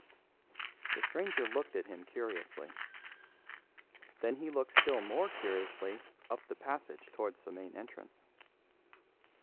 The stranger looked at him curiously. Then he looked still more curiously up the passage towards the main entrance.